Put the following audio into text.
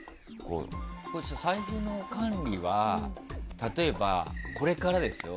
財布の管理は例えば、これからですよ。